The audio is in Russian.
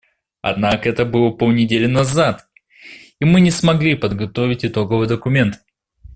Однако это было полнедели назад, и мы не смогли подготовить итоговый документ.